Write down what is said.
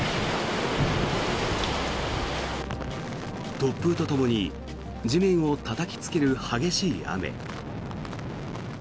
突風とともに地面をたたきつける激しい雨。